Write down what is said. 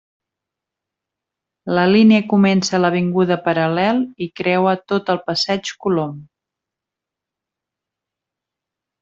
La línia comença a l'avinguda Paral·lel i creua tot el passeig Colom.